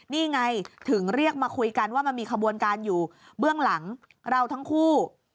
นี่ไงถึงเรียกมาคุยกันว่ามันมีขบวนการอยู่เบื้องหลังเราทั้งคู่